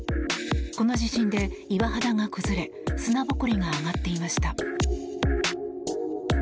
この地震で岩肌が崩れ砂ぼこりが上がっていました。